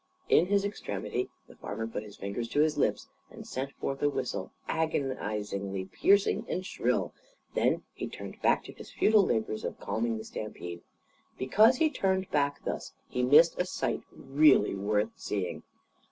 In his extremity, the farmer put his fingers to his lips and sent forth a whistle agonisingly piercing and shrill. Then he turned back to his futile labours of calming the stampede. Because he turned back thus, he missed a sight really worth seeing.